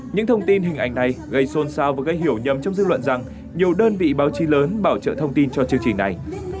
những thông tin hình ảnh này gây xôn xao và gây hiểu nhầm trong dư luận rằng nhiều đơn vị báo chí lớn bảo trợ thông tin cho chương trình này